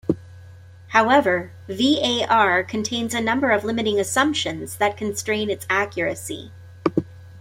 However, VaR contains a number of limiting assumptions that constrain its accuracy.